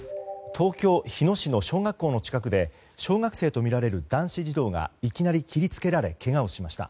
東京・日野市の小学校の近くで小学生とみられる男子児童がいきなり切りつけられけがをしました。